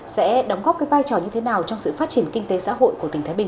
sẽ đóng góp cái vai trò như thế nào trong sự phát triển kinh tế xã hội của tỉnh thái bình